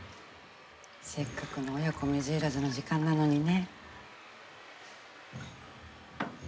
せっかくの親子水入らずの時間なのにね。